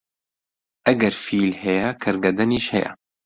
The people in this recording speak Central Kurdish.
ئەگەر فیل هەیە، کەرگەدەنیش هەیە